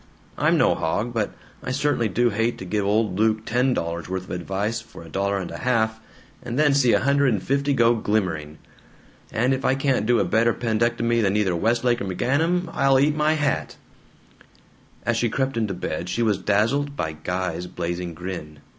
I'm no hog, but I certainly do hate to give old Luke ten dollars' worth of advice for a dollar and a half, and then see a hundred and fifty go glimmering. And if I can't do a better 'pendectomy than either Westlake or McGanum, I'll eat my hat!" As she crept into bed she was dazzled by Guy's blazing grin.